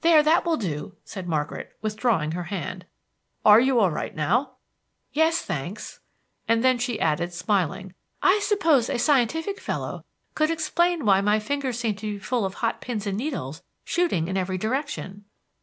"There, that will do," said Margaret, withdrawing her hand. "Are you all right now?" "Yes, thanks;" and then she added, smiling, "I suppose a scientific fellow could explain why my fingers seem to be full of hot pins and needles shooting in every direction."